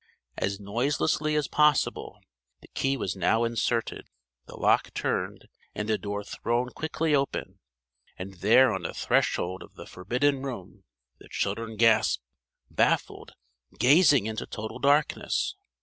As noiselessly as possible the key was now inserted, the lock turned, and the door thrown quickly open; and there on the threshold of the forbidden room, the children gasped baffled gazing into total darkness!